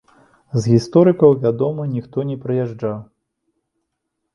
З гісторыкаў, вядома, ніхто не прыязджаў.